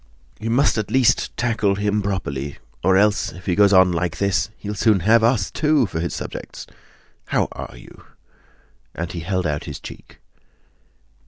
"You at least must tackle him properly, or else if he goes on like this he'll soon have us, too, for his subjects! How are you?" And he held out his cheek.